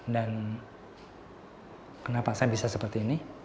dan kenapa saya bisa seperti ini